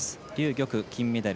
劉玉、金メダル。